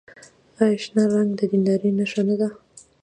آیا شنه رنګ د دیندارۍ نښه نه ده؟